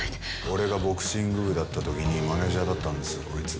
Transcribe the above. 俺がボクシング部だった時にマネージャーだったんですよこいつ。